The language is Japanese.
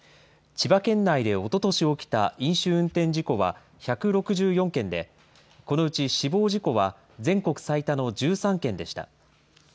千葉県内でおととし起きた飲酒運転事故は、１６４件で、このうち死亡事故は全国最多の１３件でした。